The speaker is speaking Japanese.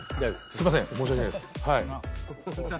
すみません申し訳ないです。